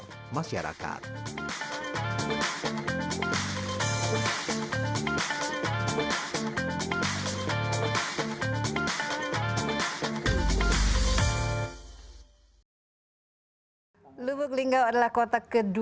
pemerintah kota lubuk linggau juga mempunyai segenap potensi baik wisata investasi maupun pendidikan